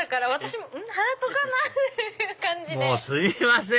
もうすいません！